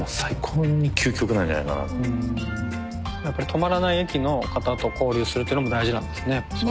僂止まらない駅の方と交流するってのも大事なんですね。